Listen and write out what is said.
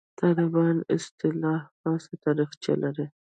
«طالبان» اصطلاح خاصه تاریخچه لري.